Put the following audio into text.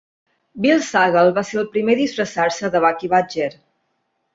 Bill Sagal va ser el primer a disfressar-se de Bucky Badger.